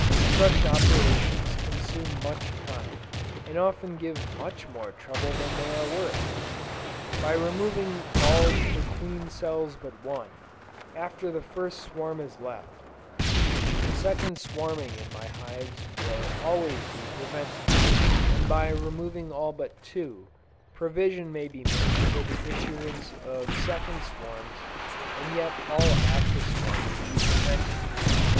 Such operations consume much time, and often give much more trouble than they are worth. By removing all the queen cells but one, after the first swarm has left, second swarming in my hives will always be prevented; and by removing all but two, provision may be made for the issue of second swarms, and yet all after swarming be prevented.